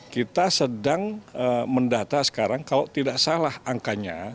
kita sedang mendata sekarang kalau tidak salah angkanya